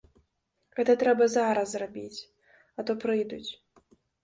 Гэта трэба зараз рабіць, а то прыйдуць.